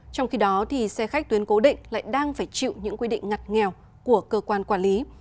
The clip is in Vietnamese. trong khi đó thì xe khách tuyến cố định lại đang phải chịu những quy định ngặt nghèo của cơ quan quản lý